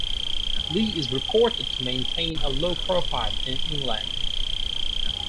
Lee is reported to maintain a low profile in England.